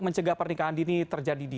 mencegah pernikahan dini terjadi di